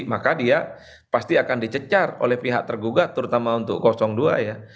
maka dia pasti akan dicecar oleh pihak tergugat terutama untuk dua ya